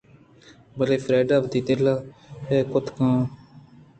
بلئے فریڈا ءَ وتی دل ءِکُتگ اَنت